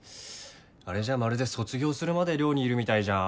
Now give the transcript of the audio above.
あれじゃまるで卒業するまで寮にいるみたいじゃん。